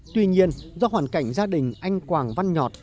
tuy nhiên do hoàn cảnh gia đình anh quảng văn nhọt